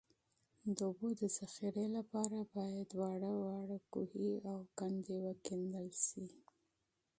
د اوبو د ذخیرې لپاره باید واړه واړه څاګان او کندې وکیندل شي